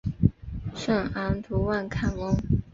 圣昂图万坎翁。